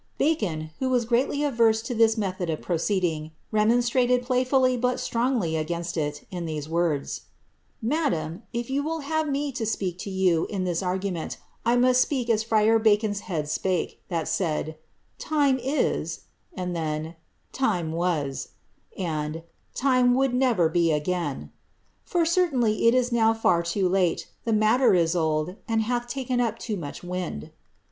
'' Bacon, who was greatly averse to this method of proceeding, remon strated playfully but strongly against it in ihese words :—' Madam, if you will have me to speak to you in tliis argument, I must speak as Friar Bacon's head spake, that said, ' time is,' and then ' lime was,' and ' lime would never be again :' for certainly it is now far loo laie — the matter is old, and hath taken too much wind."